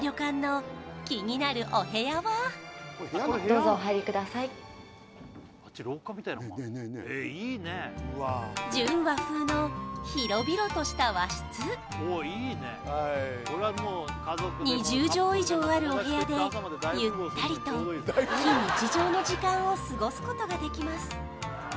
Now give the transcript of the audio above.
どうぞお入りください純和風の広々とした和室２０畳以上あるお部屋でゆったりと非日常の時間を過ごすことができます